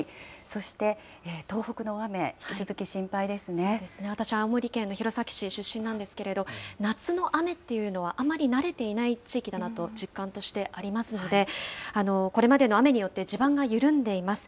そうですね、私、青森県の弘前市出身なんですけれど、夏の雨っていうのはあまり慣れていない地域だなと実感としてありますので、これまでの雨によって地盤が緩んでいます。